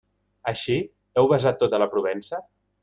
Així, ¿heu besat tota la Provença?